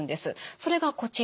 それがこちら。